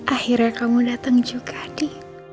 akhirnya kamu datang juga di